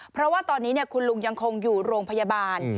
เพราะว่าตอนนี้คุณลุงยังคงอยู่โรงพยาบาล